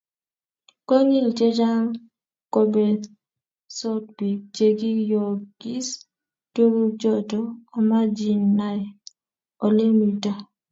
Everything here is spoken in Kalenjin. konyil chechang kobetsot biik chegiyoogiis tuguchoto amaginae olemito